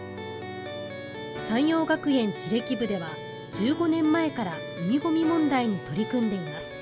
山陽学園地歴部では１５年前から海ゴミ問題に取り組んでいます。